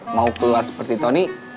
mau keluar seperti tony